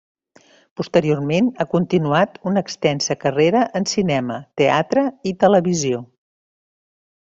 Posteriorment ha continuat una extensa carrera en cinema, teatre i televisió.